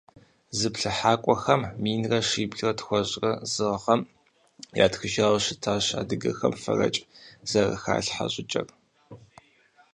Зыплъыхьакӏуэхэм минрэ щиблэ тхущӏрэ зы гъэм ятхыжауэ щытащ адыгэхэм фэрэкӏ зэрыхалъхьэ щӏыкӏэр.